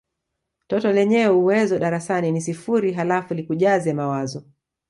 toto lenyewe uwezo darasani ni sifuri halafu likujaze mawazo